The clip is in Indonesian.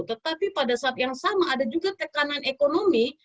tetapi pada saat yang sama ada juga tekanan ekonomi